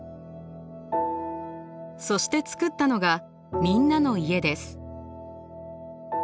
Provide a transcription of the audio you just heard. そして作ったのがみんなの家です。